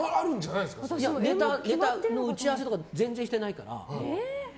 ネタの打ち合わせとか全然してないから。